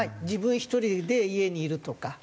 自分１人で家にいるとか。